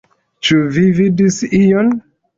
Ĉu vi vidis ion?